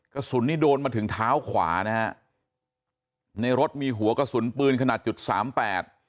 กระสุนนี่โดนมาถึงเท้าขวานะฮะในรถมีหัวกระสุนปืนขนาดจุดสามแปด